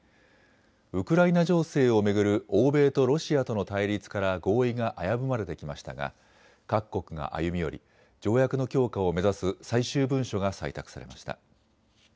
ウクライナ情勢を巡る欧米とロシアとの対立から合意が危ぶまれてきましたが各国が歩み寄り、条約の強化を目指す最終文書が採択されました。